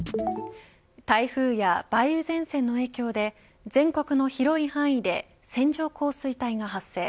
台風や梅雨前線の影響で全国の広い範囲で線状降水帯が発生。